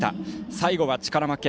最後は力負け。